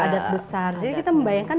adat besar jadi kita membayangkan